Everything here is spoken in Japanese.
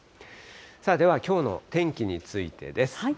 では、きょうの天気についてです。